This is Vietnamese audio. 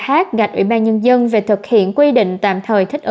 học gạch ủy ban nhân dân về thực hiện quy định tạm thời